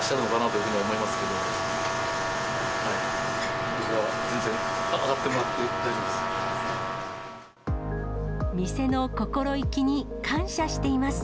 僕は全然、店の心意気に感謝しています。